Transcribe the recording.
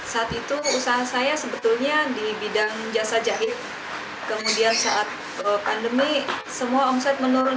saat itu usaha saya sebetulnya di bidang jasa jahit kemudian saat pandemi semua omset menurun